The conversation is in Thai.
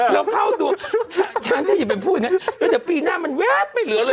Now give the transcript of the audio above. เราเข้าดวงฉันถ้าอย่าเป็นผู้ยังไงแต่เดี๋ยวปีหน้ามันแว๊บไม่เหลือเลย